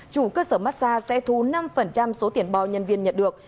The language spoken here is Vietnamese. chủ cơ sở massage sẽ thu năm số tiền bao nhân viên nhận được